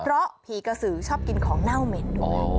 เพราะผีกระสือชอบกินของเน่าเหม็นด้วย